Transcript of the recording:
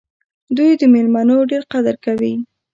دوی د میلمنو ډېر قدر کوي.